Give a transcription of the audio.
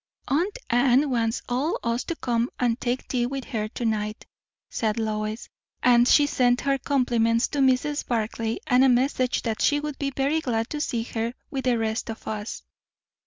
"Aunt Anne wants us all to come and take tea with her to night," said Lois; "and she sent her compliments to Mrs. Barclay, and a message that she would be very glad to see her with the rest of us."